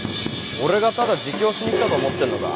俺がただ自供しに来たと思ってんのか？